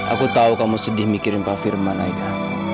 aku tau kamu sedih mikirin pak firman aida